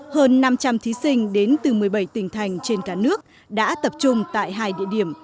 hơn năm trăm linh thí sinh đến từ một mươi bảy tỉnh thành trên cả nước đã tập trung tại hai địa điểm